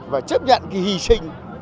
và chấp nhận cái hy sinh